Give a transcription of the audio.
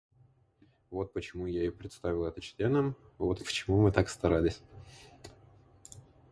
Вот почему я и представил это членам, вот почему мы так старались.